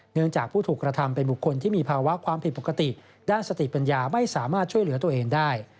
เนื่องจากผู้ถูกกระทำเป็นบุคคลที่มีภาวะความผิดปกติด้านสติปัญญาไม่สามารถช่วยเหลือตัวเองได้